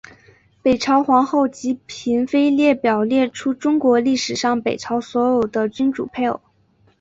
北朝皇后及妃嫔列表列出中国历史上北朝所有的君主配偶。